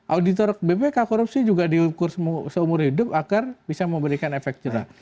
auditor bpk korupsi juga diukur seumur hidup agar bisa memberikan efek jerah